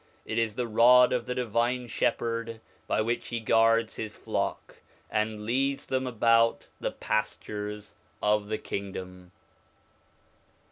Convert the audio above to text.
It is the rod of the Divine Shepherd by which He guards His flock, and leads them about the pastures of the Kingdom.